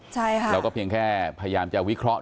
ใช่ค่ะเราก็เพียงแค่พยายามจะวิเคราะห